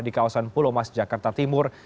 di kawasan pulau mas jakarta timur